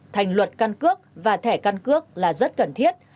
thành luật căn cước và thẻ căn cước là rất cần thiết